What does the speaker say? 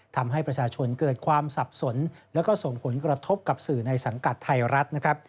ทำให้ประชาชนเกิดความสับสนแล้วก็ส่งผลกระทบกับสื่อในสังกัดไทยรัฐนะครับ